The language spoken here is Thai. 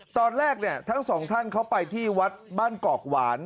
ตอนแรกเนี่ยทั้งสองท่านเขาไปที่วัดบ้านกอกหวาน